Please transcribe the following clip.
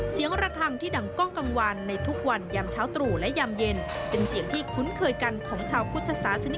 เสียงระคังที่ดังก้องกลางวาลในทุกวันยามเช้าตรู่และยามเย็นเป็นเสียงที่คุ้นเคยกันของชาวพุทธศาสนิกชนมาตั้งแต่สมัย